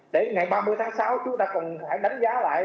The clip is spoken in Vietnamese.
để ngày ba mươi tháng sáu chúng ta cần phải đánh giá lại